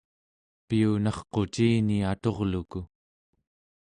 piyunarqucini aturluku